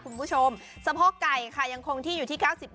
คุณผู้ชมสะโพกไก่ค่ะยังคงที่อยู่ที่๙๐